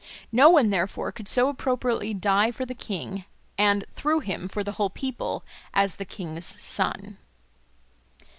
No one, therefore, could so appropriately die for the king and, through him, for the whole people, as the king's son.